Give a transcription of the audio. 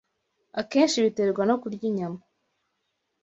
akenshi biterwa no kurya inyama.